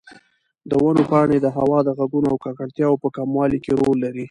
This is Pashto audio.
د ونو پاڼې د هوا د غږونو او ککړتیا په کمولو کې رول لري.